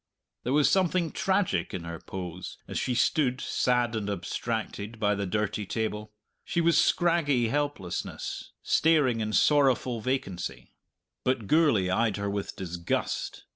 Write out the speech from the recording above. There was something tragic in her pose, as she stood, sad and abstracted, by the dirty table. She was scraggy helplessness, staring in sorrowful vacancy. But Gourlay eyed her with disgust.